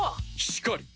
しかり。